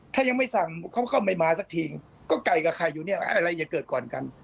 ถ้ายังไม่สั่งเข้ามาสักทีก็ไกลกับใครอยู่อะไรจะเกิดก่อนกัน